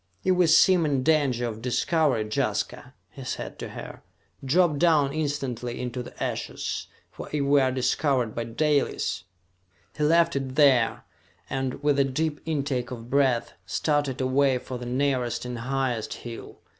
"If we seem in danger of discovery, Jaska," he said to her, "drop down instantly into the ashes, for if we are discovered by Dalis...." He left it there and, with a deep intake of breath, started away for the nearest and highest hill.